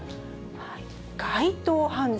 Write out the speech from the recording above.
街頭犯罪。